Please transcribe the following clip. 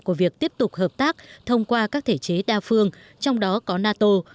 của việc tiếp tục hợp tác thông qua các thể chế đa phương trong đó có nato